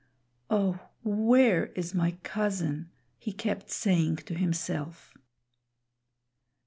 "Oh, where is my cousin?" he kept saying to himself.